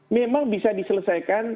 memang bisa diselesaikan